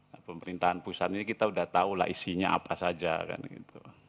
nah pemerintahan pusat ini kita udah tahu lah isinya apa saja kan gitu